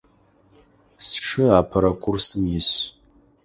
Сшы апэрэ курсым ис.